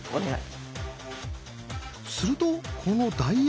するとこの「ダイヤの７」を。